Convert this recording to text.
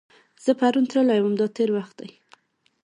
زه پرون تللی وم – دا تېر وخت دی.